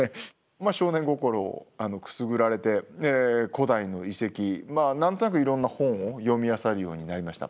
少年心をくすぐられて古代の遺跡まあ何となくいろんな本を読みあさるようになりました。